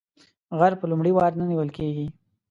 غل په لومړي وار نه نیول کیږي